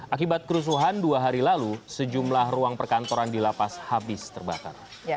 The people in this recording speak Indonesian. akibat kerusuhan dua hari lalu sejumlah ruang perkantoran di lapas habis terbakar